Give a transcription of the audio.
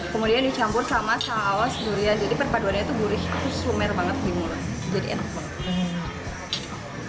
kemudian dicampur sama saus durian jadi perpaduannya itu gurih sumer banget di mulut jadi enak banget